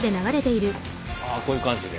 あこういう感じで。